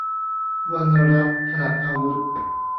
วรรณรัตน์ ถนัดอาวุธ